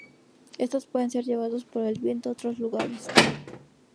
Estos pueden ser llevados por el viento a otros lugares.